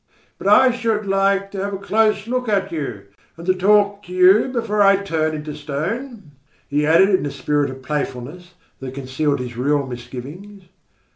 But I should like to have a close look at you, and to talk to you before I turn into stone," he added in a spirit of playfulness that concealed his real misgivings.